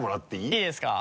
いいですか？